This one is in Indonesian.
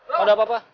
kalo ada apa apa